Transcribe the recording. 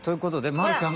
まるちゃんか。